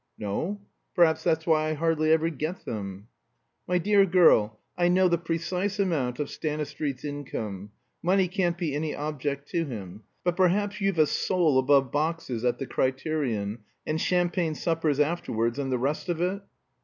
"No. Perhaps that's why I hardly ever get them." "My dear girl, I know the precise amount of Stanistreet's income. Money can't be any object to him. But perhaps you've a soul above boxes at the 'Criterion,' and champagne suppers afterwards, and the rest of it?"